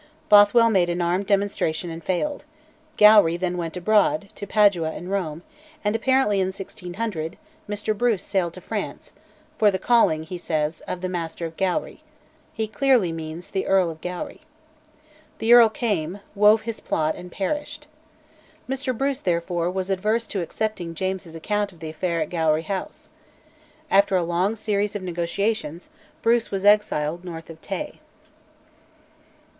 Bothwell made an armed demonstration and failed; Gowrie then went abroad, to Padua and Rome, and, apparently in 1600, Mr Bruce sailed to France, "for the calling," he says, "of the Master of Gowrie" he clearly means "the Earl of Gowrie." The Earl came, wove his plot, and perished. Mr Bruce, therefore, was averse to accepting James's account of the affair at Gowrie House. After a long series of negotiations Bruce was exiled north of Tay.